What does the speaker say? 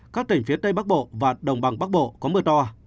các tỉnh phía tây bắc bộ và đồng bằng bắc bộ có mưa to